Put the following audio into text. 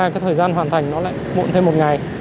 cái thời gian hoàn thành nó lại muộn thêm một ngày